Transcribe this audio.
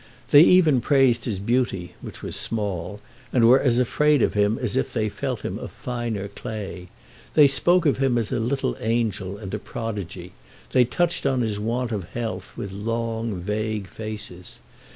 They even praised his beauty, which was small, and were as afraid of him as if they felt him of finer clay. They spoke of him as a little angel and a prodigy—they touched on his want of health with long vague faces.